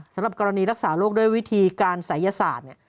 สำหรับกรณีรักษาโรคด้วยวิธีการศัยศาสตร์เนี่ย